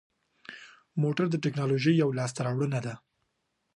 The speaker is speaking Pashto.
موټر د تکنالوژۍ یوه لاسته راوړنه ده.